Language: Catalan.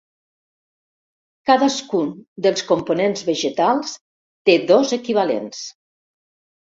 Cadascun dels components vegetals té dos equivalents.